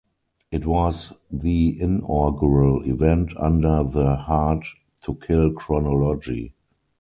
It was the inaugural event under the Hard To Kill chronology.